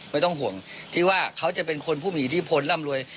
ไม่ต้องห่วงที่ว่าเขาจะเป็นคนผู้มีอิทธิพลร่ำรวย